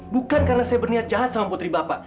bukan karena saya berniat jahat sama putri bapak